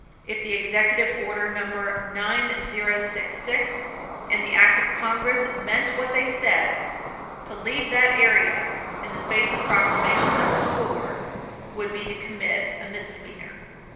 If the Executive Order No. 9066 and the Act of Congress meant what they said, to leave that area, in the face of Proclamation No. 4, would be to commit a misdemeanor.